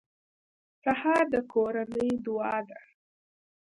سهار د کورنۍ دعا ده.